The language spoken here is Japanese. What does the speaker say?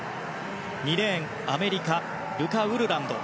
２レーンアメリカ、ルカ・ウルランド。